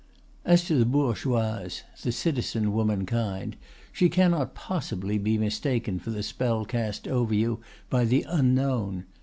"As to the bourgeoise, the citizen womankind, she cannot possibly be mistaken for the spell cast over you by the Unknown.